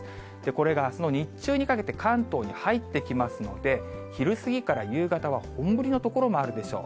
これがあすの日中にかけて関東に入ってきますので、昼過ぎから夕方は本降りの所もあるでしょう。